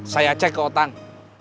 saya cek ke otang